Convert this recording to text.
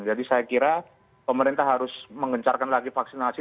jadi saya kira pemerintah harus mengencarkan lagi vaksinasi